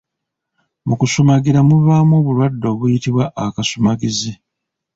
Mu kusumagira muvaamu obulwadde obuyitibwa Akasumagizi.